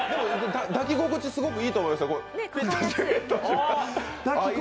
抱き心地すごくいいと思いますよ。